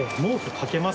かけます。